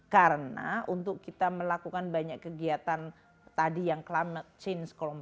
karena untuk kita melakukan banyak kegiatan tadi yang climate change compliant